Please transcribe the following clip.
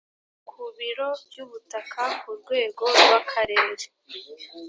ku biro by ubutaka ku rwego rw akarere